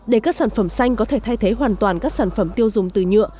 để các sản phẩm xanh có thể thay thế hoàn toàn các sản phẩm tiêu dùng từ nhựa